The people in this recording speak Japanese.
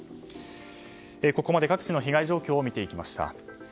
ここまで各地の被害状況を見ていきました。